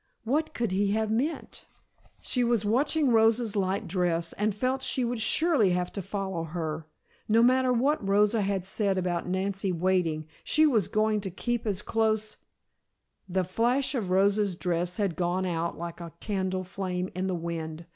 What could he have meant? She was watching Rosa's light dress and felt she would surely have to follow her. No matter what Rosa had said about Nancy waiting, she was going to keep as close The flash of Rosa's dress had gone out like a candle flame in the wind.